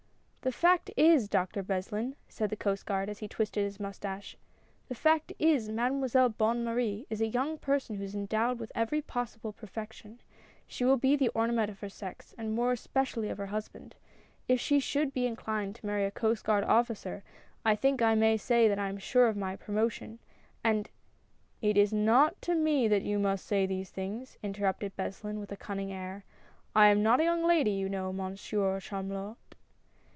" The fact is. Father Beslin," said the Coast Guard, as he twisted his moustache, " the fact is. Mademoiselle Bonne Marie is a young person who is endowed with every possible perfection — she will be the ornament of her sex, and more especially of her husband. If she should be inclined to marry a Coast Guard officer, I think I may say that I am sure of my promotion, and "" It is not to me that you must say these things," interrupted Beslin, with a cunning air; "I am not a young lady, you know. Monsieur Chamulot."